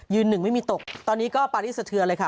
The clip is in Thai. หนึ่งไม่มีตกตอนนี้ก็ปารีสะเทือนเลยค่ะ